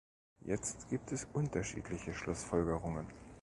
Jetzt gibt es unterschiedliche Schlussfolgerungen.